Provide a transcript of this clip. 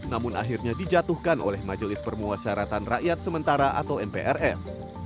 namun akhirnya dijatuhkan oleh majelis permuasyaratan rakyat sementara atau mprs